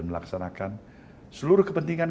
melaksanakan seluruh kepentingan